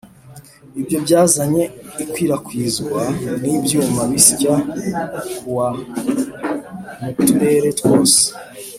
Ibyo byazanye ikwirakwizwa ry’ibyuma bisya kawa mu turere twose